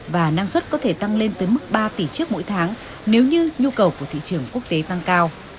và năng suất có thể tăng lên tới mức ba tỷ chiếc mỗi tháng nếu như nhu cầu của thị trường quốc tế tăng cao